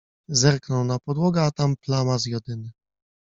Zerknął na podłogę, a tam plama z jodyny.